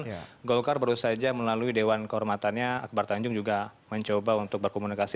dan golkar baru saja melalui dewan kehormatannya akbar tanjung juga mencoba untuk berkomunikasi